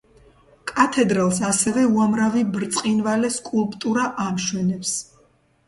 კათედრალს ასევე უამრავი ბრწყინვალე სკულპტურა ამშვენებს.